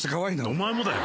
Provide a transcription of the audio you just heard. お前もだよ。